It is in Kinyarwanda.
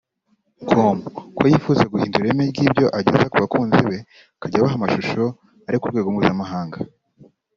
com ko yifuza guhindura ireme ry'ibyo ageza ku bakunzi be akajya abaha amashusho ari ku rwego mpuzamahanga